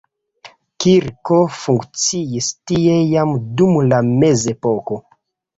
Kirko funkciis tie jam dum la mezepoko.